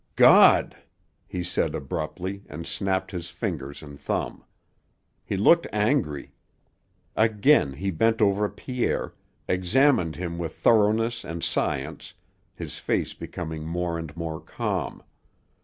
"God!" he said abruptly and snapped his fingers and thumb. He looked angry. Again he bent over Pierre, examined him with thoroughness and science, his face becoming more and more calm.